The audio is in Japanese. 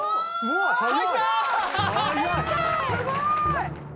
すごい！